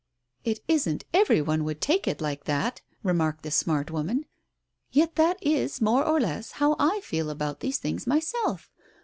"It isn't every one would take it like that !" remarked the smart woman. "Yet that is, more or less, how I feel about these things myself.